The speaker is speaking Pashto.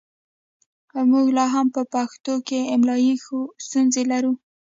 موږ لا هم په پښتو کې املايي ستونزې لرو